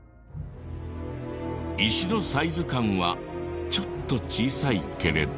石のサイズ感はちょっと小さいけれど。